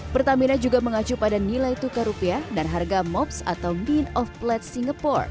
pertamina juga mengacu pada nilai tukar rupiah dan harga mops atau mean of plet singapore